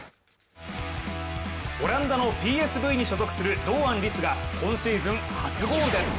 オランダのＰＳＶに所属する堂安律が今シーズン初ゴールです。